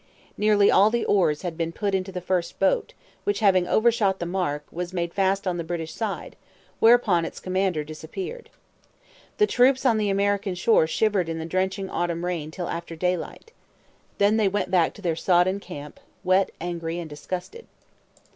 Nearly all the oars had been put into the first boat, which, having overshot the mark, was made fast on the British side; whereupon its commander disappeared. The troops on the American shore shivered in the drenching autumn rain till after daylight. Then they went back to their sodden camp, wet, angry, and disgusted.